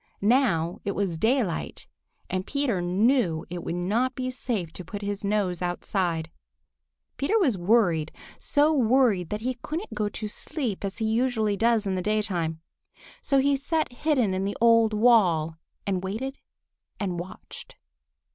Now it was daylight, and Peter knew it would not be safe to put his nose outside. Peter was worried, so worried that he couldn't go to sleep as he usually does in the daytime. So he sat hidden in the old wall and waited and watched.